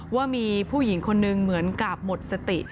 ว่ามีผู้หญิงคนนึงเหมือนกับหมดสติ